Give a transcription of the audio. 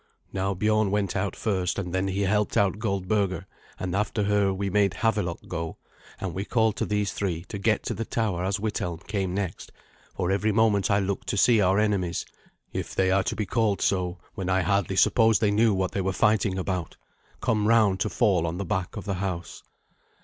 Now Biorn went out first, and then he helped out Goldberga, and after her we made Havelok go; and we called to these three to get to the tower as Withelm came next, for every moment I looked to see our enemies if they are to be called so when I hardly suppose they knew what they were fighting about come round to fall on the back of the house.